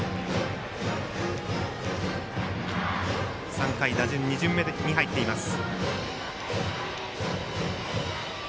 ３回、打順２巡目に入っています。